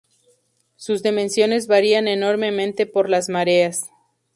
Sus dimensiones varían enormemente por las mareas.